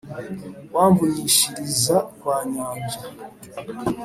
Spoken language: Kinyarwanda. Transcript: wamvunyishiriza kwa nyanja